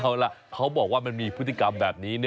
เอาล่ะเขาบอกว่ามันมีพฤติกรรมแบบนี้